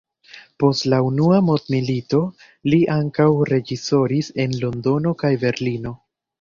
Post la unua mondmilito li ankaŭ reĝisoris en Londono kaj Berlino.